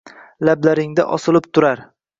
lablaringda osilib turar